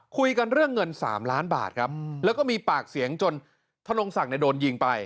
คุยกันเรื่องเงิน๓ล้านบาทครับแล้วก็มีปากเสียงจนทนงศักดิ์โดนยิงไป